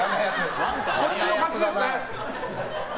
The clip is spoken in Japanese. こっちの勝ちですね。